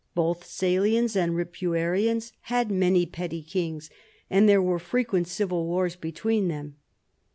Both Salians and Ripuarians had many petty kings, and there were frequent civil wars be tween them.